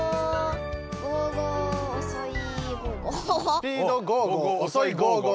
スピードゴーゴーおそいゴーゴー。